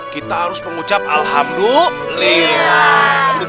kita harus mengucap alhamdulillah